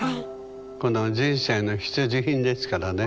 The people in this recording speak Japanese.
この人生の必需品ですからね。